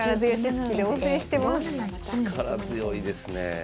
力強いですねえ。